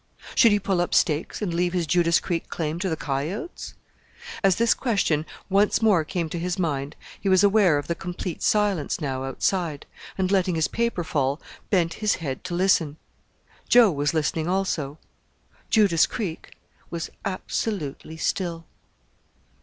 Should he pull up stakes and leave his Judas Creek Claim to the coyotes? As this question once more came to his mind, he was aware of the complete silence now outside, and letting his paper fall, bent his head to listen. Joe was listening also. Judas Creek was absolutely still.